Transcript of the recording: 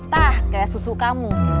tah kayak susu kamu